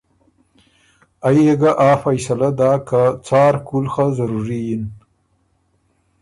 ائ يې ګۀ آ فیصلۀ داک که څار کُول خه ضروري یِن